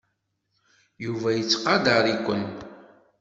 Yuba yettqadar-iken.